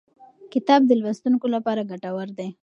کتاب د لوستونکو لپاره ګټور دی.